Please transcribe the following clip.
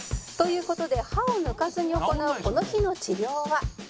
「という事で歯を抜かずに行うこの日の治療は」